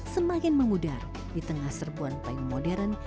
semakin mengudar di tengah serbuan payung modern